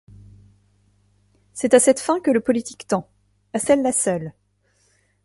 C'est à cette fin que le politique tend, à celle-là seule.